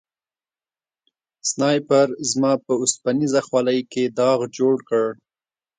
سنایپر زما په اوسپنیزه خولۍ کې داغ جوړ کړ